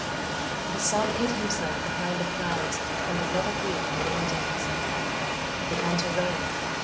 The sun hid himself behind the clouds and did not appear for many days. It began to rain.